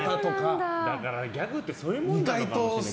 だから、ギャグってそういうものだよね。